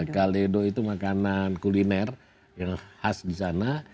kaledo itu makanan kuliner yang khas di sana